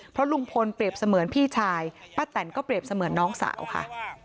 เพราะลุงพลเปรียบเสมือนพี่ชายป้าแตนก็เปรียบเสมือนน้องสาวค่ะ